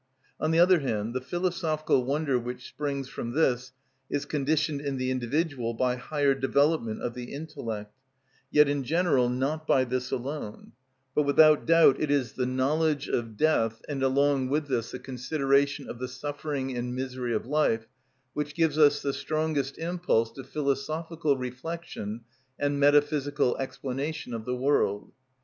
On the other hand, the philosophical wonder which springs from this is conditioned in the individual by higher development of the intellect, yet in general not by this alone; but without doubt it is the knowledge of death, and along with this the consideration of the suffering and misery of life, which gives the strongest impulse to philosophical reflection and metaphysical explanation of the world.